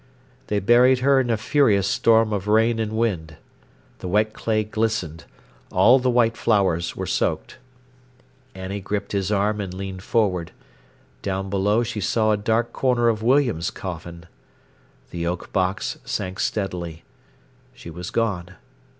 They buried her in a furious storm of rain and wind. The wet clay glistened, all the white flowers were soaked. Annie gripped his arm and leaned forward. Down below she saw a dark corner of William's coffin. The oak box sank steadily. She was gone.